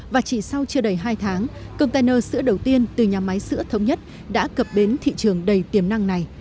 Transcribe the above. và chỉ sau chưa đầy hai tháng container sữa đầu tiên từ nhà máy sữa thống nhất đã cập đến thị trường đầy tiềm năng này